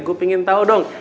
gue pingin tau dong